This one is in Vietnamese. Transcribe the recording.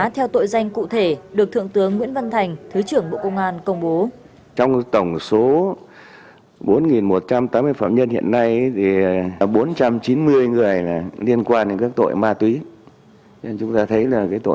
theo tội danh cụ thể được thượng tướng nguyễn văn thành thứ trưởng bộ công an công bố